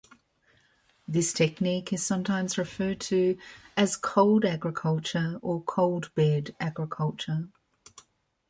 This technique is sometimes referred to as "cold agriculture" or "cold-bed agriculture".